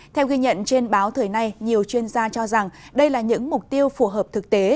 theo ghi nhận trên báo thời nay nhiều chuyên gia cho rằng đây là những mục tiêu phù hợp thực tế